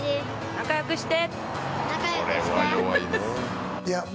仲良くして！